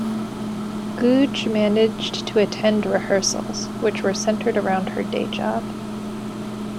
Googe managed to attend rehearsals, which were centred around her day job.